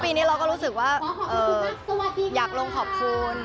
ปีนี้เราก็รู้สึกว่าอยากลงขอบคุณ